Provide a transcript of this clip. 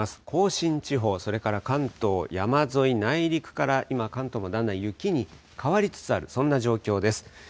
甲信地方、それから関東山沿い、内陸から今、関東もだんだん雪に変わりつつある、そんな状況です。